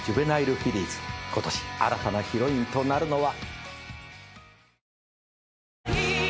今年新たなヒロインとなるのは。